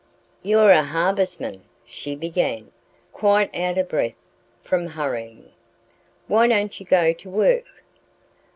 "You're a harvestman," she began, quite out of breath from hurrying. "Why don't you go to work?"